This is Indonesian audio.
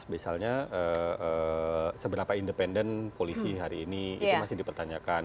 misalnya seberapa independen polisi hari ini itu masih dipertanyakan